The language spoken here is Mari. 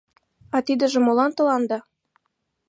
— А тидыже молан тыланда?